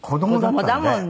子供だもんね。